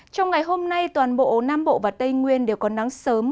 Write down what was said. trong ngày hôm nay toàn bộ nam bộ và tây nguyên đều có nắng sớm